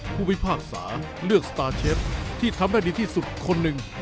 ผู้พิพากษาเลือกสตาร์เชฟที่ทำได้ดีที่สุดคนหนึ่ง